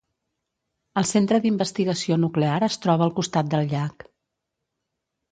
El centre d'investigació nuclear es troba al costat del llac.